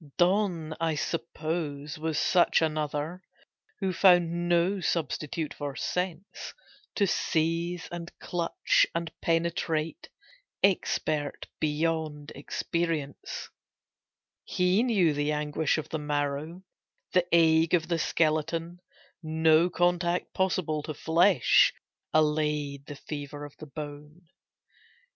Donne, I suppose, was such another Who found no substitute for sense; To seize and clutch and penetrate, Expert beyond experience, He knew the anguish of the marrow The ague of the skeleton; No contact possible to flesh Allayed the fever of the bone.